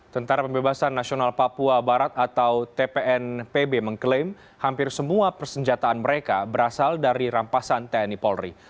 tentara pembebasan nasional papua barat atau tpnpb mengklaim hampir semua persenjataan mereka berasal dari rampasan tni polri